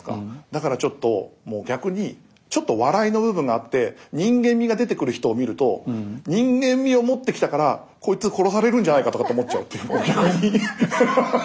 だからちょっと逆にちょっと笑いの部分があって人間味が出てくる人を見ると人間味を持ってきたからこいつ殺されるんじゃないかとかって思っちゃうっていう。